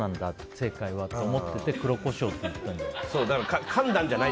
正解はって思ってて黒コショウって言ったんじゃない？